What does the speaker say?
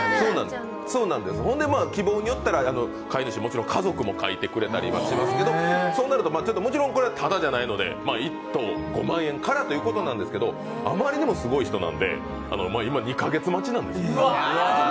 希望によったら飼い主、もちろん家族も描いてくれたりしますけどそうなると、もちろんただじゃないので１頭５万円からということなんですが、あまりにもすごい人なんで、今２カ月待ちなんですね。